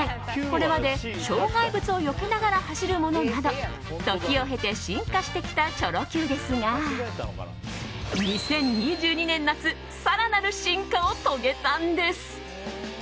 これまで、障害物をよけながら走るものなど時を経て進化してきたチョロＱですが２０２２年夏更なる進化を遂げたんです。